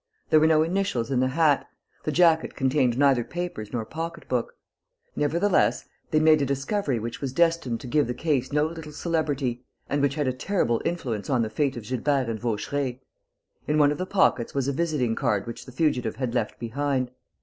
There were no initials in the hat. The jacket contained neither papers nor pocketbook. Nevertheless, they made a discovery which was destined to give the case no little celebrity and which had a terrible influence on the fate of Gilbert and Vaucheray: in one of the pockets was a visiting card which the fugitive had left behind